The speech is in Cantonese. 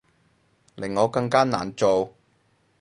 令我更加難做